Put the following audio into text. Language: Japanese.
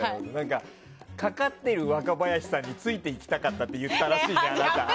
かかってる若林さんについていきたかったって言ってたらしいじゃん。